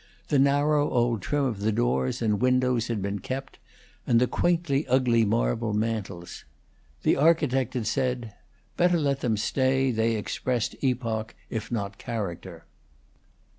The narrow old trim of the doors and windows had been kept, and the quaintly ugly marble mantels. The architect had said, Better let them stay they expressed epoch, if not character.